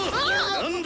何だ